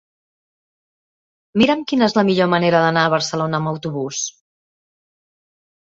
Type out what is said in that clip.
Mira'm quina és la millor manera d'anar a Barcelona amb autobús.